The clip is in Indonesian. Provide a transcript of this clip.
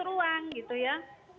ruang gitu ya